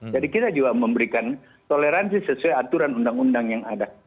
jadi kita juga memberikan toleransi sesuai aturan undang undang yang ada